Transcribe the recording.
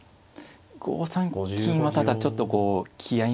５三金はただちょっとこう気合い